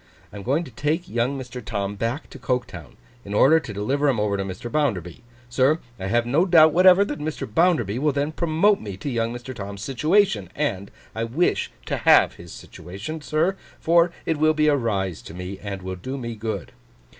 I am going to take young Mr. Tom back to Coketown, in order to deliver him over to Mr. Bounderby. Sir, I have no doubt whatever that Mr. Bounderby will then promote me to young Mr. Tom's situation. And I wish to have his situation, sir, for it will be a rise to me, and will do me good.